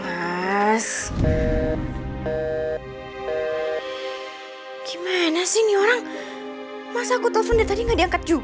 akan ada kejutan lagi dari aku